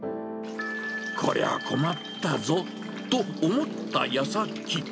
こりゃ困ったぞ、と思ったやさき。